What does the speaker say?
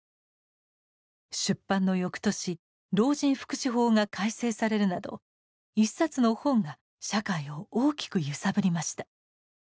出版の翌年老人福祉法が改正されるなど一冊の本が社会を大きく揺さぶりました。